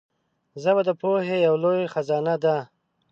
ژبه د پوهې یو لوی خزانه ده